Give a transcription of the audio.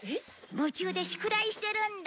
夢中で宿題してるんだ。